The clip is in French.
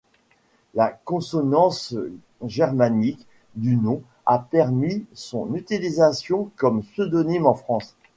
La consonance germanique du nom a permis son utilisation comme pseudonyme en France.